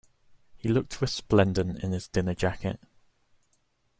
He looked resplendent in his dinner jacket